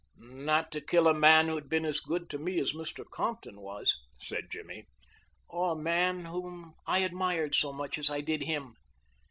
"Not to kill a man who had been as good to me as Mr. Compton was," said Jimmy, "or a man whom I admired so much as I did him.